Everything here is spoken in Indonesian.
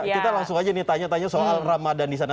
kita langsung aja nih tanya tanya soal ramadan di sana